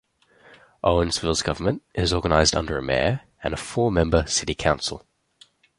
Owensville's government is organized under a Mayor and a four-member City Council.